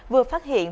vừa phát hiện